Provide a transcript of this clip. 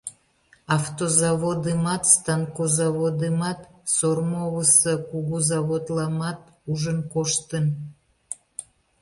Автозаводымат, станкозаводымат, Сормовысо кугу заводламат ужын коштын.